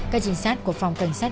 các trinh sát của phòng cảnh sát